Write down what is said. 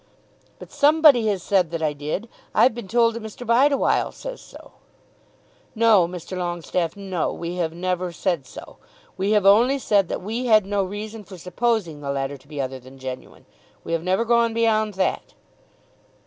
"But somebody has said that I did. I've been told that Mr. Bideawhile says so." "No, Mr. Longestaffe; no. We have never said so. We have only said that we had no reason for supposing the letter to be other than genuine. We have never gone beyond that."